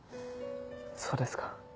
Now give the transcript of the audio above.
そうですか。